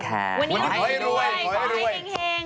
ขอให้รวยขอให้เช่ง